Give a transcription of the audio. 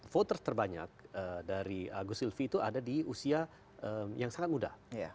voters terbanyak dari agus silvi itu ada di usia yang sangat muda